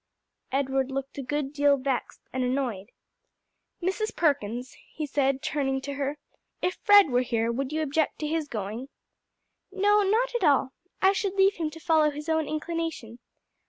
Edward looked a good deal vexed and annoyed. "Mrs. Perkins," he said, turning to her, "if Fred were here, would you object to his going?" "No, not at all. I should leave him to follow his own inclination.